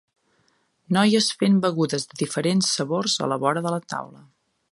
Noies fent begudes de diferents sabors a la vora de la taula